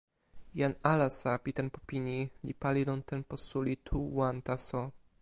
jan alasa pi tenpo pini li pali lon tenpo suli tu wan taso.